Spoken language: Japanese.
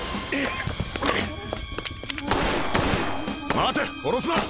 ・待て殺すな！